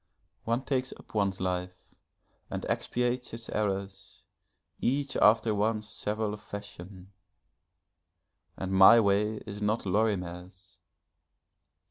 One takes up one's life and expiates its errors, each after one's several fashion and my way is not Lorimer's.